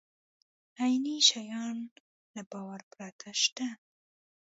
عیني شیان له باور پرته شته.